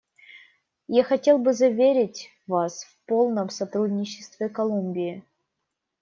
Я хотел бы заверить Вас в полном сотрудничестве Колумбии.